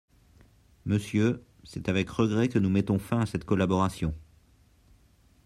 Monsieur, c'est avec regrets que nous mettons fin à cette collaboration.